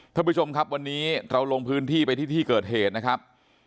ท่านผู้ชมครับวันนี้เราลงพื้นที่ไปที่ที่เกิดเหตุนะครับ